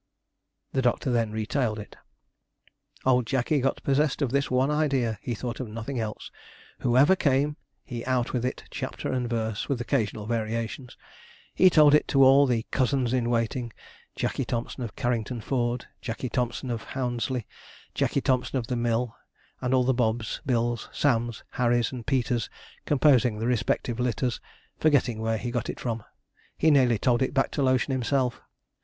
The doctor then retailed it. Old Jackey got possessed of this one idea he thought of nothing else. Whoever came, he out with it, chapter and verse, with occasional variations. He told it to all the 'cousins in waiting'; Jackey Thompson, of Carrington Ford; Jackey Thompson, of Houndesley; Jackey Thompson, of the Mill; and all the Bobs, Bills, Sams, Harrys, and Peters, composing the respective litters; forgetting where he got it from, he nearly told it back to Lotion himself.